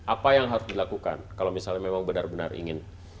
apa yang harus dilakukan kalau misalnya memang benar benar ingin